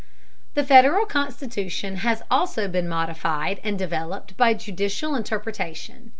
The Federal Constitution has also been modified and developed by judicial interpretation.